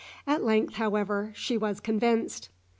At length, however, she was convinced.